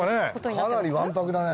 かなりわんぱくだね！